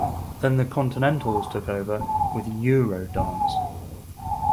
Then the continentals took over with "Euro Dance".